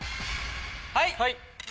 はい！